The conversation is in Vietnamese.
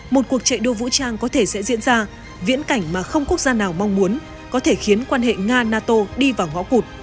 một cuộc chạy đua vũ trang có thể sẽ diễn ra viễn cảnh mà không quốc gia nào mong muốn có thể khiến quan hệ nga nato đi vào ngõ cụt